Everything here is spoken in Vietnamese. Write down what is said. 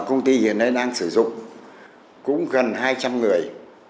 cũng gần hai trăm linh người